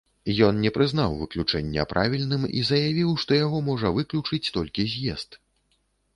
Ён не прызнаў выключэння правільным і заявіў, што яго можа выключыць толькі з'езд.